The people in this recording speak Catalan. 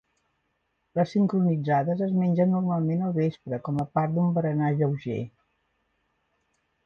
Les "sincronizadas" es mengen normalment al vespre, com a part d'un berenar lleuger.